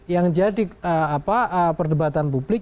yang jadi perdebatan publik